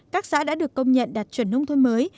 các xã đã được công nhận đạt chuẩn nông thôn mới